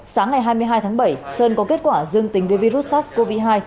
sáng ngày hai mươi hai tháng bảy sơn có kết quả dương tính với virus sars cov hai